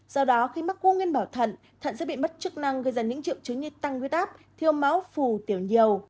do đó khi mắc cua nguyên bảo thận thận sẽ bị mất chức năng gây ra những triệu chứng như tăng huyết áp thiếu máu phù tiểu nhiều